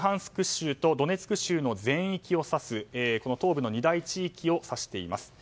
州とドネツク州の全域を指すこの東部の二大地域を指しています。